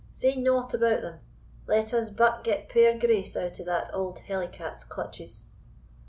say nought about them. Let us but get puir Grace out o' that auld hellicat's clutches."